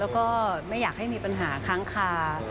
แล้วก็ไม่อยากให้มีปัญหาค้างคา